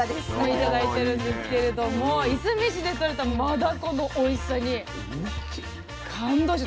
頂いてるんですけれどもいすみ市でとれたマダコのおいしさに感動して。